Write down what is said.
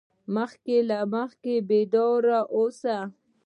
مخکې له مخکې بیدار اوسه.